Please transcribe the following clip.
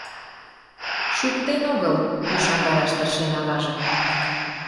«Шуктен огыл», — ӱшандараш тыршен аваже.